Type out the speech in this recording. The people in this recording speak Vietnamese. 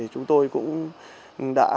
chúng tôi cũng đã